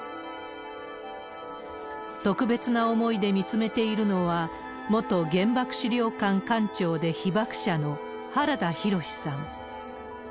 特別な思いで見つめているのは、元原爆資料館館長で被爆者の原田浩さん。